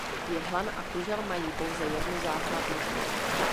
Jehlan a kužel mají pouze jednu základnu.